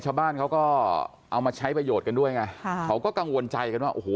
ชาวบ้านเขาก็เอามาใช้ประโยชน์กันด้วยไงค่ะเขาก็กังวลใจกันว่าโอ้โห